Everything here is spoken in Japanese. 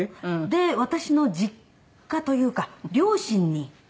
で私の実家というか両親に。